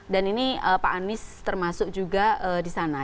dan ini pak anies termasuk juga disana